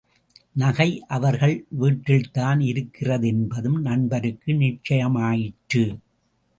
நகை அவர்கள் வீட்டில்தான் இருக்கிறது என்பதும் நண்பருக்கு நிச்சயமாயிற்று.